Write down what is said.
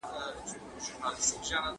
ایا ته د ټیکنالوژۍ په ګټو پوهېږې؟